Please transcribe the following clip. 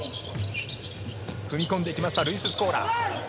踏み込んでいきました、ルイス・スコーラ。